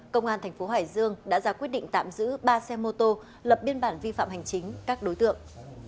công an thành phố hải dương đã ra quyết định tạm giữ ba xe mô tô lập biên bản vi phạm hành chính các đối tượng